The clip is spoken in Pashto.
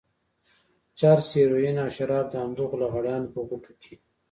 چرس، هيروين او شراب د همدغو لغړیانو په غوټو کې.